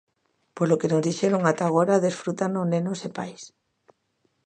Polo que nos dixeron ata agora, desfrútano nenos e pais.